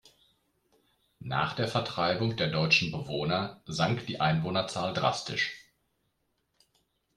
Nach der Vertreibung der deutschen Bewohner sank die Einwohnerzahl drastisch.